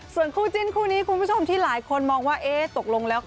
ส่วนคู่จิ้นคู่นี้ที่หลายคนมองว่าตกลงแล้ว